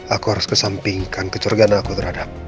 aku harus kesampingkan kecurigaan aku terhadap